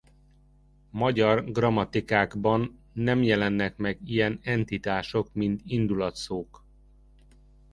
Magyar grammatikákban nem jelennek meg ilyen entitások mint indulatszók.